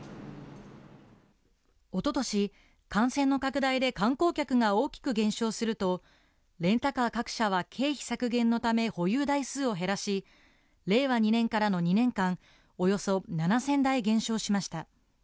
おととし、感染の拡大で観光客が大きく減少すると、レンタカー各社は経費削減のため、保有台数を減らし、令和２年からの２年間、およそ７０００台減少しました。